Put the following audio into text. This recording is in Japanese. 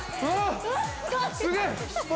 すげえ。